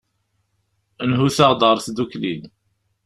Nhut-aɣ-d ɣer tdukli.